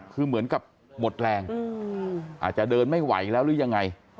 คือเหมือนกับหมดแรงอาจจะเดินไม่ไหวแล้วหรือยังไง